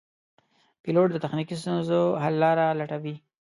پیلوټ د تخنیکي ستونزو حل لاره لټوي.